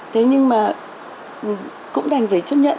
thế nhưng mà cũng đành phải chấp nhận